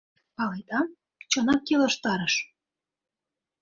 Паледа, чынак келыштарыш.